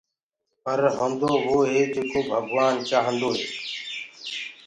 پر هونٚدو وو هي جيڪو ڀگوآن چآهندوئي